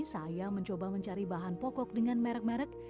saya mencoba mencari bahan pokok dengan merek merek